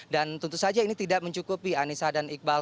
dan tentu saja ini tidak mencukupi anissa dan iqbal